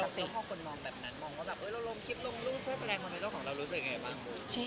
ซึ่งพอคนมองแบบนั้นมองว่าแบบเราลงคลิปลงรูปเพื่อแสดงความเป็นเจ้าของเรารู้สึกยังไงบ้าง